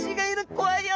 怖いよ！